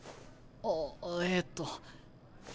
ああえっと。